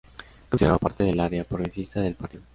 Es considerado parte del área progresista del partido.